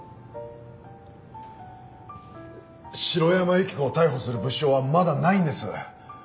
城山由希子を逮捕する物証はまだないんです！